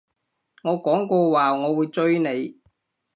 我講過話我會追你